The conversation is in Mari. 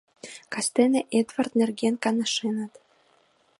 Кастене Эдвард нерген каҥашеныт.